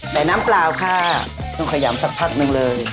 น้ำเปล่าค่ะต้องขยำสักพักหนึ่งเลย